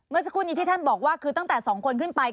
เมื่อสักครู่นี้ที่ท่านบอกว่าคือตั้งแต่๒คนขึ้นไป